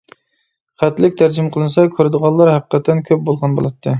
خەتلىك تەرجىمە قىلىنسا كۆرىدىغانلار ھەقىقەتەن كۆپ بولغان بولاتتى.